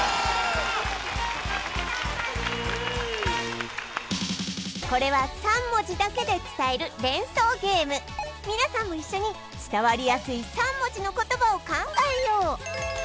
イエーイこれは３文字だけで伝える連想ゲーム皆さんも一緒に伝わりやすい３文字の言葉を考えよう！